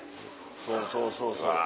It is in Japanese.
そうそうそうそう。